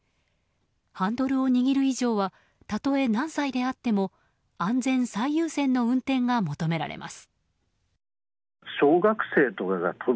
ハンドルを握る以上はたとえ何歳であっても安全最優先の運転が求められます。